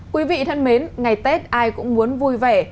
quý vị thân mến ngày tết ai cũng muốn vui vẻ